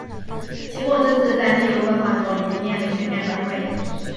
清末政治在内忧外患中已经面临全面崩溃。